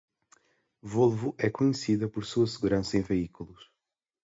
Volvo é conhecida por sua segurança em veículos.